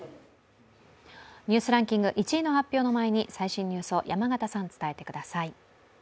ニュースランキング１位の発表の前に最新ニュースを伝えてください。